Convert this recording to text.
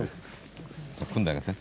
組んであげて。